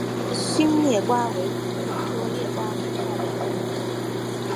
新裂瓜为葫芦科裂瓜属下的一个种。